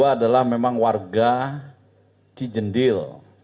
tiga puluh dua adalah memang warga cijendil